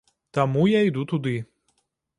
Таму я іду туды.